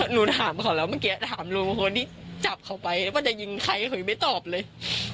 หนูถามเขาแล้วเมื่อกี้ถามลุงคนที่จับเขาไปแล้วว่าจะยิงใครเขายังไม่ตอบเลย